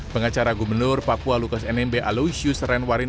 pengacara gubernur papua lukas nmb aloysius renwarin